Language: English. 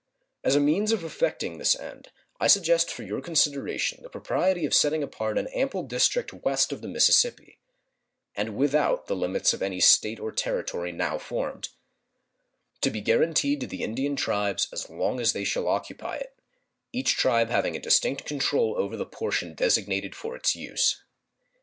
As a means of effecting this end I suggest for your consideration the propriety of setting apart an ample district west of the Mississippi, and without the limits of any State or Territory now formed, to be guaranteed to the Indian tribes as long as they shall occupy it, each tribe having a distinct control over the portion designated for its use.